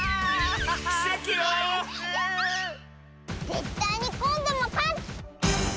ぜったいにこんどもかつ！